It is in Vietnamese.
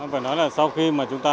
phải nói là sau khi mà chúng ta